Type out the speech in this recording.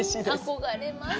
憧れます。